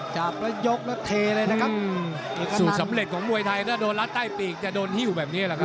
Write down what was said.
จับแล้วยกแล้วเทเลยนะครับสูตรสำเร็จของมวยไทยถ้าโดนรัดใต้ปีกจะโดนหิ้วแบบนี้แหละครับ